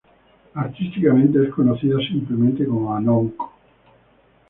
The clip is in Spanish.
Artísticamente es conocida simplemente como Anouk.